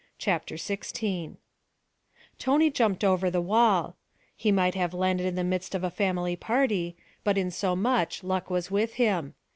CHAPTER XVI Tony jumped over the wall. He might have landed in the midst of a family party; but in so much luck was with him.